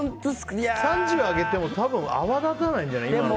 ３０あげても多分泡立たないんじゃない？